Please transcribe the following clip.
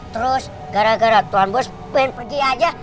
terus gara gara tuhan bos pengen pergi aja